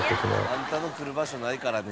「あんたの来る場所ないからね」